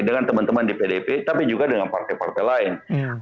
dengan teman teman di pdip tapi juga dengan partai partai lain